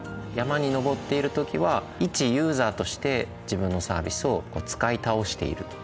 山に登っている時は１ユーザーとして自分のサービスを使いたおしている。